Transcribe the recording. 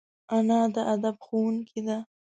انا د ادب ښوونکې ده